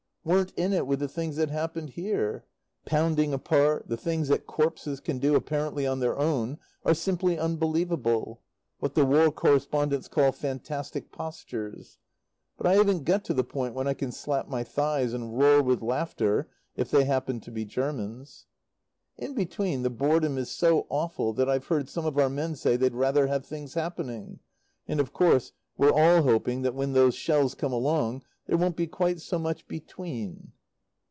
weren't in it with the things that happened here. Pounding apart, the things that corpses can do, apparently on their own, are simply unbelievable what the war correspondents call "fantastic postures." But I haven't got to the point when I can slap my thighs, and roar with laughter if they happen to be Germans. In between, the boredom is so awful that I've heard some of our men say they'd rather have things happening. And, of course, we're all hoping that when those shells come along there won't be quite so much "between."